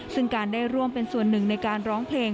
ซึ่งการได้ร่วมเป็นส่วนหนึ่งในการร้องเพลง